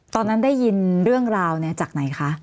ตอนนั้นได้ยินเรื่องราวจากไหนคะ